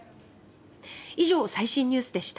以上、最新ニュースでした。